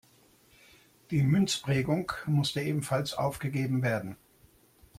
Die Münzprägung musste ebenfalls aufgegeben werden.